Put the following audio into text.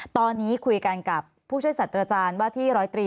ตอนนี้คุยกันกับผู้ช่วยศัตรูอาจารย์ว่าที่๑๐๓